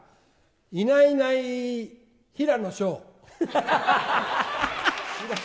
いないいない、平野紫燿。